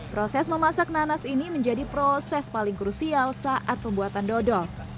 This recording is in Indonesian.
proses memasak nanas ini menjadi proses paling krusial saat pembuatan dodol